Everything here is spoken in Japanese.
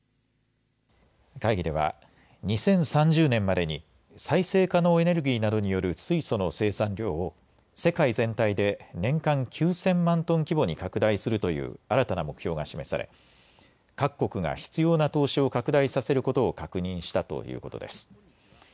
会議では２０３０年までに再生可能エネルギーなどによる水素の生産量を世界全体で年間９０００万トン規模に拡大するという新たな目標が示され各国が必要な投資を拡大させることを確認したということです。